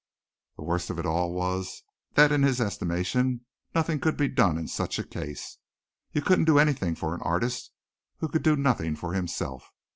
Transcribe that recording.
The worst of it all was that in his estimation nothing could be done in such a case. You couldn't do anything for an artist who could do nothing for himself.